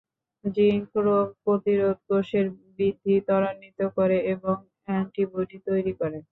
Zinc রোগ প্রতিরোধক কোষের বৃদ্ধি ত্বরান্বিত করে এবং অ্যান্টিবডি তৈরি করে।